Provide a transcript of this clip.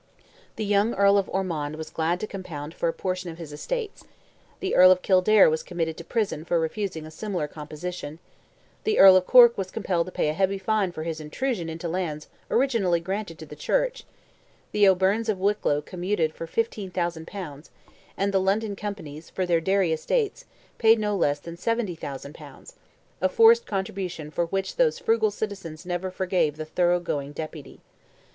The young Earl of Ormond was glad to compound for a portion of his estates; the Earl of Kildare was committed to prison for refusing a similar composition; the Earl of Cork was compelled to pay a heavy fine for his intrusion into lands originally granted to the Church; the O'Byrnes of Wicklow commuted for 15,000 pounds, and the London Companies, for their Derry estates, paid no less than 70,000 pounds: a forced contribution for which those frugal citizens never forgave the thorough going Deputy.